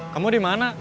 kamu di mana